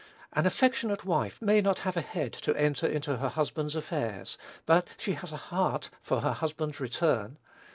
An affectionate wife may not have a head to enter into her husband's affairs; but she has a heart for her husband's return.